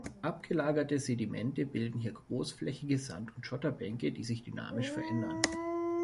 Abgelagerte Sedimente bilden hier großflächige Sand- und Schotterbänke, die sich dynamisch verändern.